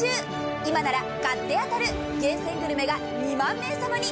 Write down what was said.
今なら買って当たる厳選グルメが２万名さまに。